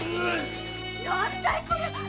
何だいこりゃ